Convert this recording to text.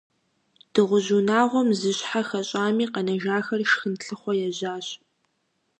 Дыгъужь унагъуэм зы щхьэ хэщӀами, къэнэжахэр шхын лъыхъуэ ежьащ.